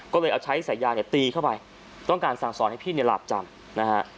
ก็เลยเอาใช้สายยาเนี่ยตีเข้าไปต้องการสั่งสอนให้พี่เนี่ยหลาบจำนะฮะ